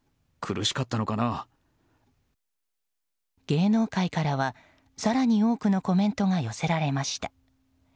芸能界からは更に多くのコメントが寄せられました。